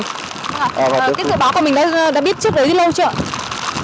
tiếp tục báo của mình đã biết trước đấy lâu chưa